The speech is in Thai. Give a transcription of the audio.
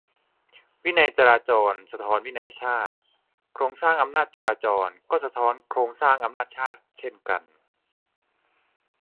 "วินัยจราจร สะท้อนวินัยชาติ" ? โครงสร้างอำนาจจราจร ก็สะท้อนโครงสร้างอำนาจชาติ เช่นกัน ?